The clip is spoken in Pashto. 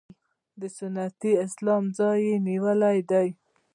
د سنتي اسلام ځای یې نیولی دی.